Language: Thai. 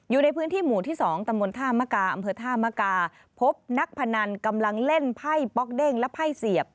อยู่ในพื้นที่หมู่ที่๒ตำบลท่ามกาอำเภอท่ามกาพบนักพนันกำลังเล่นไพ่ป๊อกเด้งและไพ่เสียบ